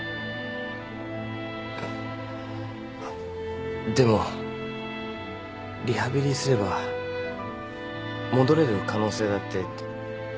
あっでもリハビリすれば戻れる可能性だって。